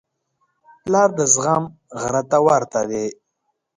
پلار د زغم غره ته ورته دی.